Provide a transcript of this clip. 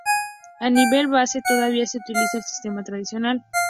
A nivel base, todavía se utiliza el sistema tradicional.